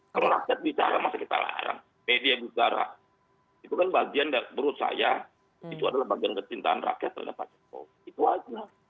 kalau rakyat bicara masa kita larang media bicara itu kan bagian dari menurut saya itu adalah bagian kecintaan rakyat terhadap pak jokowi itu aja